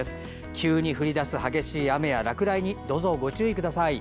急に降り出す激しい雨や落雷にどうぞご注意ください。